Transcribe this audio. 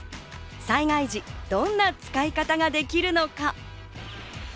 災害時、どんな使い方ができるのか？